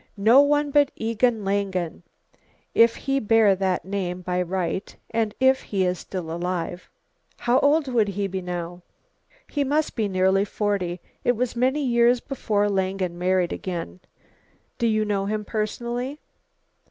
"No one but Egon Langen, if he bear this name by right, and if he is still alive." "How old would he be now?" "He must be nearly forty. It was many years before Langen married again." "Do you know him personally?"